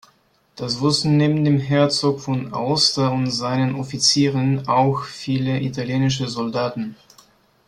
Das wussten neben dem Herzog von Aosta und seinen Offizieren auch viele italienische Soldaten.